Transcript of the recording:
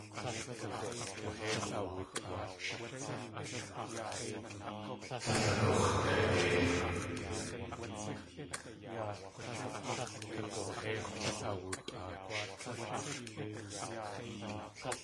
Tlél agux̲da.ei.